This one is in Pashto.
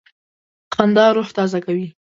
خندا روح تازه کوي.